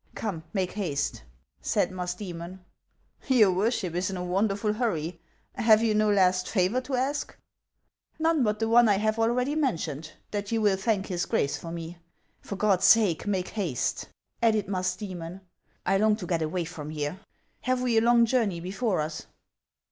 " Come, make haste !" said Musdcemon. "Your worship is in a wonderful hurry. Have you no last favor to ask ?"" None but the one I have already mentioned, that you will thank his Grace for me. For God's sake, make haste !" added Musdrcmon ;" I long to get away from here. Have we a long journey before us